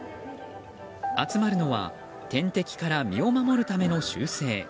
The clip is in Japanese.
集まるのは天敵から身を守るための習性。